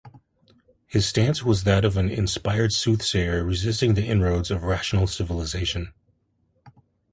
His stance was that of an inspired soothsayer resisting the inroads of rational civilization.